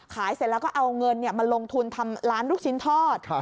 เสร็จแล้วก็เอาเงินมาลงทุนทำร้านลูกชิ้นทอด